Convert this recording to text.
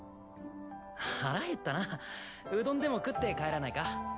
腹減ったなうどんでも食って帰らないか？